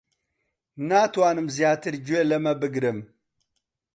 ناتوانم زیاتر گوێ لەمە بگرم.